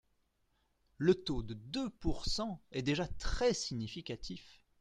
Le taux de deux pourcent est déjà très significatif.